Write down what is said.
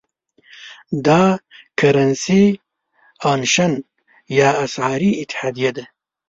دا Currency Union یا اسعاري اتحادیه ده.